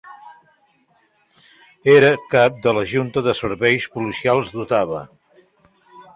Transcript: Era cap de la Junta de serveis policials d'Ottawa.